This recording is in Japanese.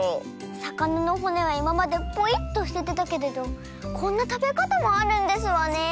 さかなのほねはいままでポイっとすててたけれどこんなたべかたもあるんですわね。